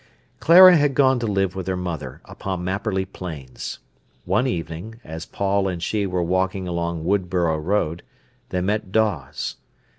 Clara had gone to live with her mother upon Mapperley Plains. One evening, as Paul and she were walking along Woodborough Road, they met Dawes.